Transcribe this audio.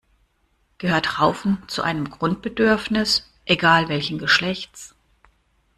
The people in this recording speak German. Gehört Raufen zu einem Grundbedürfnis? Egal welchen Geschlechts.